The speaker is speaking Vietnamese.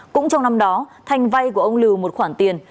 cũng trong năm đó thanh vay của ông lưu một khoản tiền